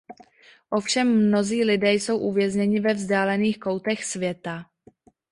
Ovšem mnozí lidé jsou uvězněni ve vzdálených koutech světa.